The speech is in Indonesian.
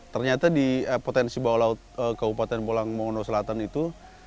ternyata di potensi bawah laut kabupaten pulang mono selatan itu